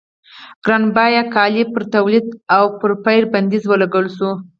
ګران بیه جامو پر تولید او پېر بندیز ولګول شو.